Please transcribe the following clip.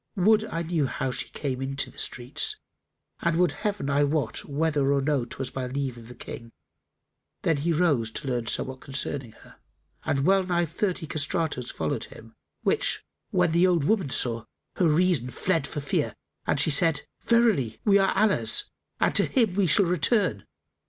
Would I knew how she came into the streets and would Heaven I wot whether or no 'twas by leave of the King!" Then he rose to learn somewhat concerning her and well nigh thirty castratos followed him; which when the old woman saw, her reason fled for fear and she said, "Verily, we are Allah's and to Him we shall return!